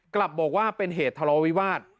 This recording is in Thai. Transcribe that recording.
กลับบอกว่าเป็นเหตุทะเลาวิวาส